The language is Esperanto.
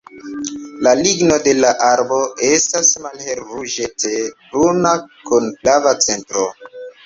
La ligno de la arbo estas malhelruĝete bruna kun flava centro.